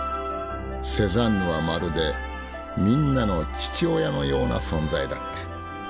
「セザンヌはまるでみんなの父親のような存在だった。